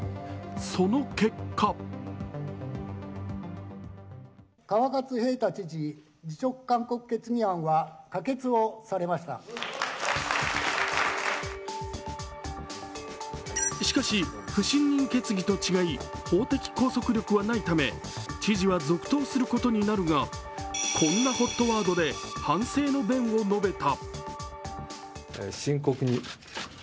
その結果しかし、不信任決議と違い法的拘束力はないため知事は続投することになるが、こんなＨＯＴワードで反省の弁を述べた。